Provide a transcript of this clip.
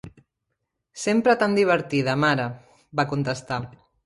"Sempre tan divertida, mare," va contestar.